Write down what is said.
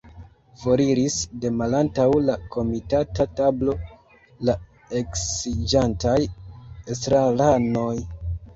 Foriris de malantaŭ la komitata tablo la eksiĝantaj estraranoj.